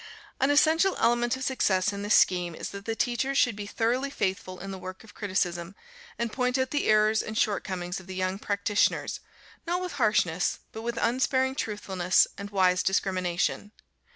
An essential element of success in this scheme, is that the teachers should be thoroughly faithful in the work of criticism, and point out the errors and shortcomings of the young practitioners, not with harshness, but with unsparing truthfulness and wise discrimination.